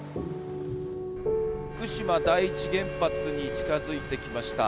福島第一原発に近づいてきました。